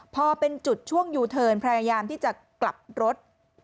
พอเป็นจุดช่วงยูเทิร์นพยายามที่จะกลับรถ